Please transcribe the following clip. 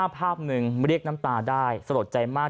ภาพหนึ่งเรียกน้ำตาได้สะลดใจมาก